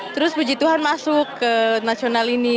terus puji tuhan masuk ke nasional ini